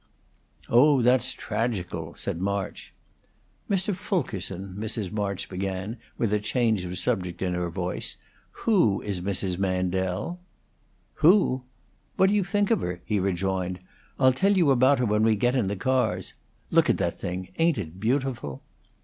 "Oh! that's tragical," said March. "Mr. Fulkerson," Mrs. March began, with change of subject in her voice, "who is Mrs. Mandel?" "Who? What do you think of her?" he rejoined. "I'll tell you about her when we get in the cars. Look at that thing! Ain't it beautiful?"